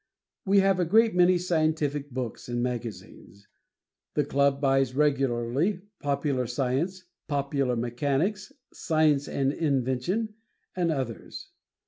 We have a great many scientific books and magazines. The club buys regularly Popular Science, Popular Mechanics, Science and Invention, and others.